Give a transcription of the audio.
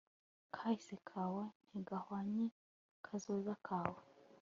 kahise kawe ntigahwanye kazoza kawe